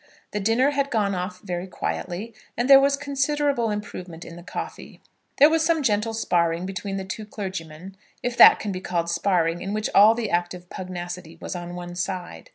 The dinner had gone off very quietly, and there was considerable improvement in the coffee. There was some gentle sparring between the two clergymen, if that can be called sparring in which all the active pugnacity was on one side.